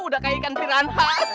udah kayak ikan piranha